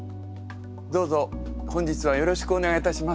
どうぞ本日はよろしくお願いいたします。